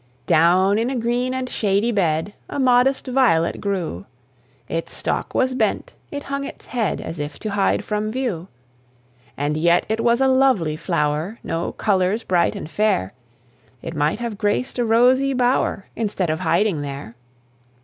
Down in a green and shady bed A modest violet grew; Its stalk was bent, it hung its head, As if to hide from view. And yet it was a lovely flower, No colours bright and fair; It might have graced a rosy bower, Instead of hiding there.